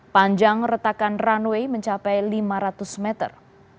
panjang retakan runway mencapai lima ratus meter